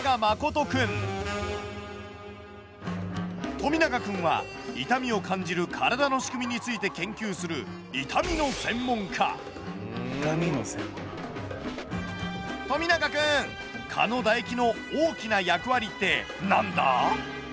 富永くんは痛みを感じる体の仕組みについて研究する富永くん蚊の唾液の大きな役割って何だ？